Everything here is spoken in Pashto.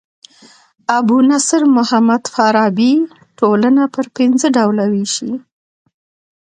ابو نصر محمد فارابي ټولنه پر پنځه ډوله ويشي.